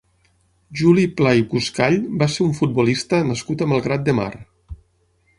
Juli Pla i Buscall va ser un futbolista nascut a Malgrat de Mar.